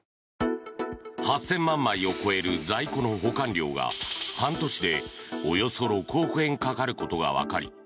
８０００万枚を超える在庫の保管料が半年でおよそ６億円かかることがわかり